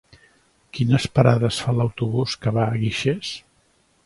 Quines parades fa l'autobús que va a Guixers?